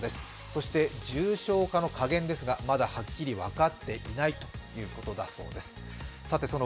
そして重症化のかげんですがまだはっきり分かっていないということです。